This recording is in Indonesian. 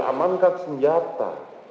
aman kan senjata